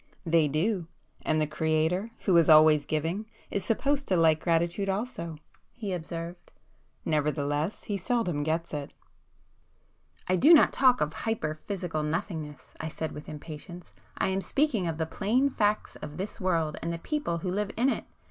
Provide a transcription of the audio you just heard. "They do. And the Creator, who is always giving, is supposed to like gratitude also,"—he observed—"Nevertheless He seldom gets it!" "I do not talk of hyperphysical nothingness,"—I said with impatience—"I am speaking of the plain facts of this world and the people who live in it.